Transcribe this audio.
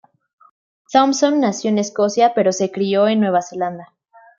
Thomson nació en Escocia pero se crio en Nueva Zelanda.